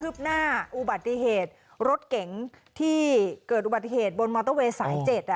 หน้าอุบัติเหตุรถเก๋งที่เกิดอุบัติเหตุบนมอเตอร์เวย์สาย๗